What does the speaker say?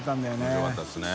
面白かったですね。